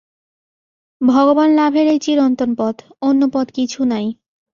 ভগবানলাভের এই চিরন্তন পথ, অন্য পথ কিছু নাই।